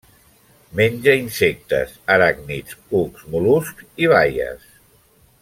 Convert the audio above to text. Menja insectes, aràcnids, cucs, mol·luscs i baies.